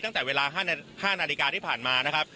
ตั้งแต่เวลา๕นาฬิกาที่ผ่านมานะครับ